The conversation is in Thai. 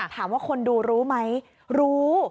ถามว่าคนดูรู้ไหมรู้